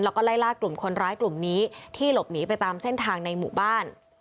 แล้วก็ไล่ล่ากลุ่มคนร้ายกลุ่มนี้ที่หลบหนีไปตามเส้นทางในหมู่บ้าน